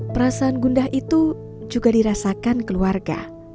perasaan gundah itu juga dirasakan keluarga